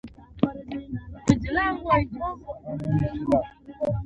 باب المغاربه دروازه هیکل سلیماني ته نږدې ده.